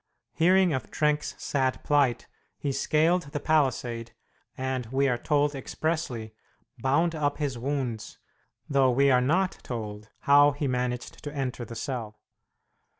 Hearing of Trenck's sad plight, he scaled the palisade, and, we are told expressly, bound up his wounds, though we are not told how he managed to enter the cell.